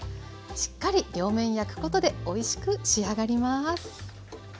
しっかり両面焼くことでおいしく仕上がります。